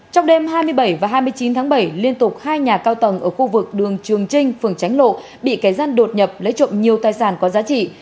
trong đêm hai mươi bảy và hai mươi chín tháng bảy liên tục hai nhà cao tầng ở khu vực đường trường trinh phường tránh lộ bị kẻ gian đột nhập lấy trộm nhiều tài sản có giá trị